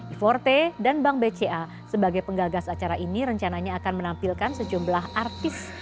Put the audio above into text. iforte dan bank bca sebagai penggagas acara ini rencananya akan menampilkan sejumlah artis